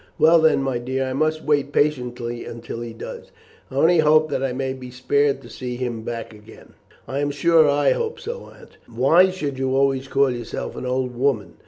"Well, then, my dear, I must wait patiently until he does. I only hope that I may be spared to see him back again." "I am sure I hope so, Aunt. Why should you always call yourself an old woman?